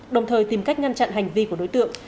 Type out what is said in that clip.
đồng thời tìm cách ngăn chặn hành vi của đối tượng